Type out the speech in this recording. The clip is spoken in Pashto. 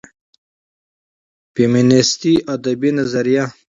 فيمينستى ادبى نظريه